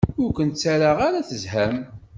Ur ken-ttaraɣ ara tezham.